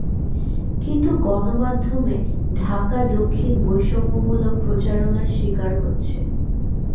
কিন্তু গণমাধ্যমে ঢাকা দক্ষিণ বৈষম্যমূলক প্রচারণার শিকার হচ্ছে।